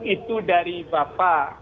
itu dari bapak